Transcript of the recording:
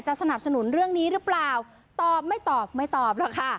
สนับสนุนเรื่องนี้หรือเปล่าตอบไม่ตอบไม่ตอบหรอกค่ะ